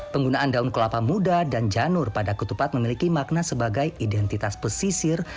penggunaan daun kelapa muda dan janur pada ketupat memiliki makna sebagai identitas pesisir